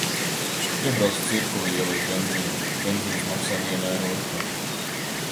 Iebraucu Cirkulī ieliet benzīnu, benzīns maksā vienu eiro litrā.